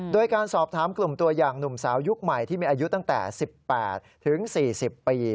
โดยการสอบถามกลุ่มตัวอย่างหนุ่มสาวยุคใหม่ที่มีอายุตั้งแต่๑๘ถึง๔๐ปี